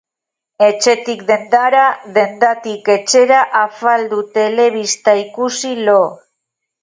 Etxetik dendara, dendatik etxera, afaldu, telebista ikusi, lo.